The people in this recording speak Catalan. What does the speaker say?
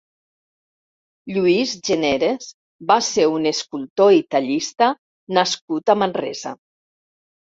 Lluís Generes va ser un escultor i tallista nascut a Manresa.